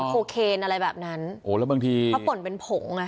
โคเคนอะไรแบบนั้นเพราะปล่นเป็นผง